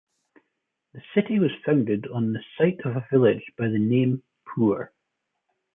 The city was founded on the site of a village by the name "poor".